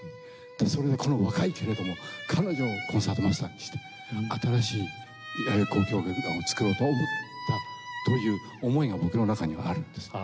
それで若いけれども彼女をコンサートマスターにして新しい弥生交響楽団を作ろうと思ったという思いが僕の中にはあるんです。